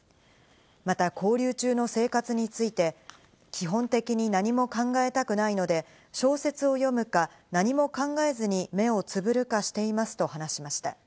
また拘留中の生活について、基本的に何も考えたくないので、小説を読むか、何も考えずに目をつぶるかしていますと話しました。